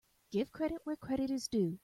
Give credit where credit is due.